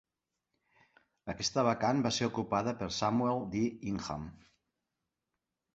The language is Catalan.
Aquesta vacant va ser ocupada per Samuel D. Ingham.